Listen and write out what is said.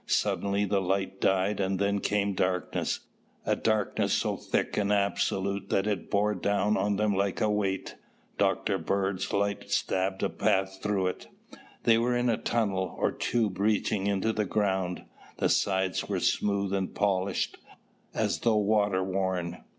Suddenly the light died and then came darkness, a darkness so thick and absolute that it bore down on them like a weight. Dr. Bird's light stabbed a path through it. They were in a tunnel or tube reaching into the ground. The sides were smooth and polished, as though water worn.